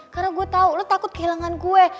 karena gue tau lo takut kehilangan gue